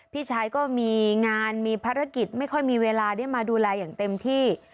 พี่ชายก็มีงานมีภารกิจไม่ค่อยมีเวลาได้มาดูแลอย่างเต็มที่